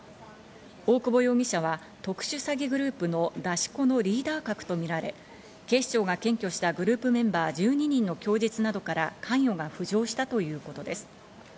大久保容疑者は特殊詐欺グループの出し子のリーダー格とみられ、警視庁が検挙したグループメンバー１２人の供述などから、関与が浮上したということです。